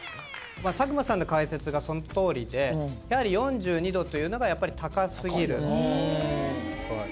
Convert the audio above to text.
佐久間さんの解説がそのとおりでやはり４２℃というのが高すぎる。